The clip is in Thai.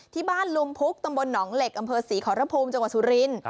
ที่บ้านลุมพุกตำบลหนองเหล็กอำเภอศรีขอรภูมิจังหวัดสุรินทร์